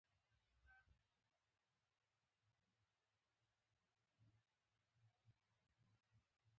مهتمم یې څېړنیار محمد اسحاق مومند دی.